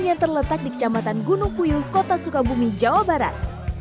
yang terletak di kecamatan gunung puyuh kota sukabumi jawa barat